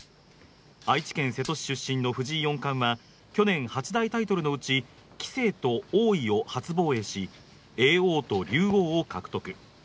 愛知県瀬戸市出身の藤井四冠は去年８大タイトルのうち棋聖と王位を初防衛し、叡王と竜王を獲得。